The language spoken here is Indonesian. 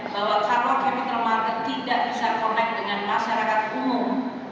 bahwa kalau capital market tidak bisa connect dengan masyarakat umum